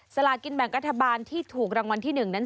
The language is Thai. ลากินแบ่งรัฐบาลที่ถูกรางวัลที่๑นั้น